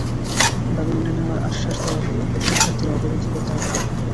দাবি মেনে নেওয়ার আশ্বাস দেওয়া হলে শিক্ষার্থীরা অবরোধ প্রত্যাহার করে নেন।